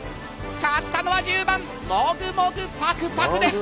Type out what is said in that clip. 勝ったのは１０番モグモグパクパクです！